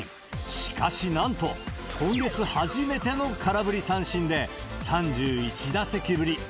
しかし、なんと今月初めての空振り三振で３１打席ぶり。